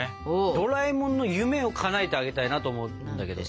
ドラえもんの夢をかなえてあげたいなと思うんだけどさ。